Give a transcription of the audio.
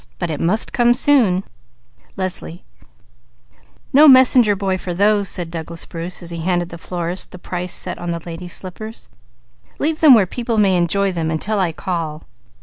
CHAPTER II Moccasins and Lady Slippers "No messenger boy for those," said Douglas Bruce as he handed the florist the price set on the lady slippers. "Leave them where people may enjoy them until I call."